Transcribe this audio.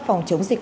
phòng chống dịch